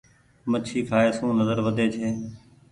مڇي کآئي سون نزر وڌي ڇي۔